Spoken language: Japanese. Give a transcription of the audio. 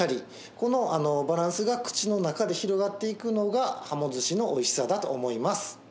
このバランスが口の中で広がっていくのがハモずしのおいしさだと思います。